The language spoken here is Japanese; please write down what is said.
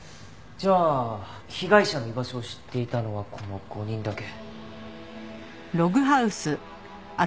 じゃあ被害者の居場所を知っていたのはこの５人だけ。